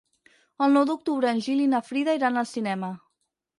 El nou d'octubre en Gil i na Frida iran al cinema.